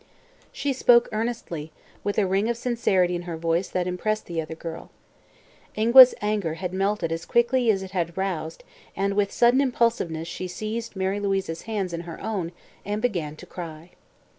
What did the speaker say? She spoke earnestly, with a ring of sincerity in her voice that impressed the other girl. Ingua's anger had melted as quickly as it had roused and with sudden impulsiveness she seized Mary Louise's hands in her own and began to cry.